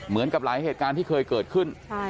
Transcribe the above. เหมือนกับหลายเหตุการณ์ที่เคยเกิดขึ้น